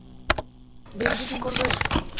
Baby sitting করবে?